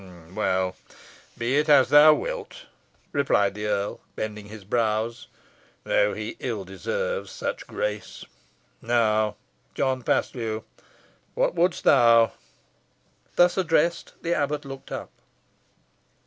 "Well, be it as thou wilt," replied the earl, bending his brows, "though he ill deserves such grace. Now, John Paslew, what wouldst thou?" Thus addressed, the abbot looked up.